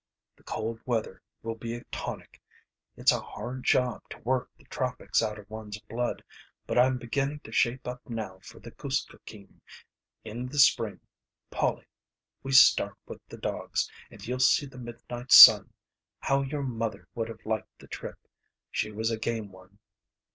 "The cold weather will be a tonic. It's a hard job to work the tropics out of one's blood. But I'm beginning to shape up now for the Kuskokeem. In the spring, Polly, we start with the dogs, and you'll see the midnight sun. How your mother would have liked the trip. She was a game one.